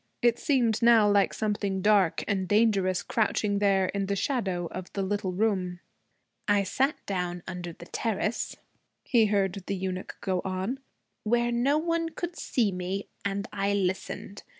It seemed now like something dark and dangerous crouching there in the shadow of the little room. 'I sat down, under the terrace,' he heard the eunuch go on, 'where no one could see me, and I listened.